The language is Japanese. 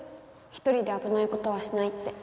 ひとりであぶないことはしないって。